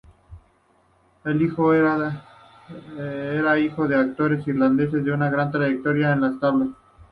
Era hijo de actores irlandeses con una gran trayectoria en las tablas.